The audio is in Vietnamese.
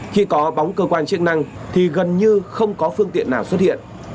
khi có bóng cơ quan chức năng thì gần như không có phương tiện nào xuất hiện